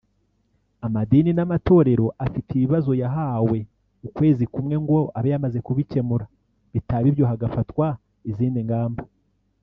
Amadini n’amatorero afite ibibazo yahawe ukwezi kumwe ngo abe yamaze kubikemura bitaba ibyo hagafatwa izindi ngamba